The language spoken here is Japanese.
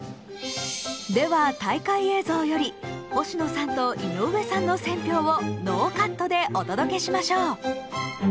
では大会映像より星野さんと井上さんの選評をノーカットでお届けしましょう。